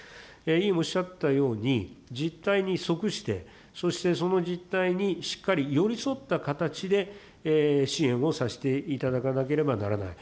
今おっしゃったように実態に即して、そして、その実態にしっかり寄り添った形で支援をさせていただかなければならない。